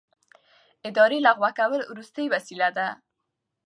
اداري لغوه کول وروستۍ وسیله ده.